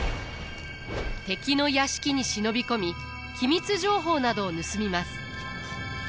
敵の屋敷に忍び込み機密情報などを盗みます。